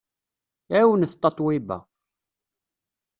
Ɛiwnet Tatoeba!